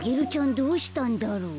どうしたんだろう？